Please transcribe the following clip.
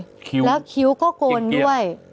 คิ้วเกลียดแล้วคิ้วก็กลด้วย